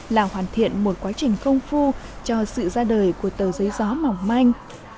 là hoàn thiện một quá trình công phu cho sự ra đời của tờ giấy gió mỏng manh